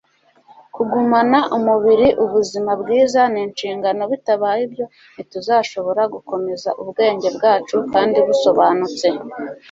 kugumana umubiri ubuzima bwiza ni inshingano bitabaye ibyo ntituzashobora gukomeza ubwenge bwacu kandi busobanutse